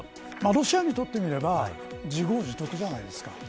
ロシアにとってみれば自業自得じゃないですか。